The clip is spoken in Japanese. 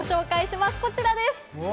こちらです。